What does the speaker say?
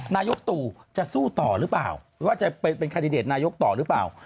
นายกตู่จะสู้ต่อหรือเปล่าว่าจะเป็นคาดิเดตนายกต่อหรือเปล่า